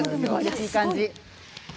いい感じ！